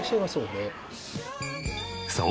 そう